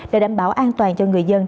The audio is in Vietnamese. để đảm bảo an toàn cho người dân